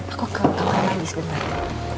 aku ke kamar manis sebentar